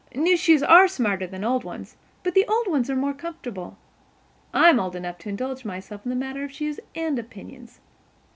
New shoes are smarter than old ones, but the old ones are more comfortable. I'm old enough to indulge myself in the matter of shoes and opinions.